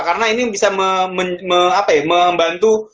karena ini bisa membantu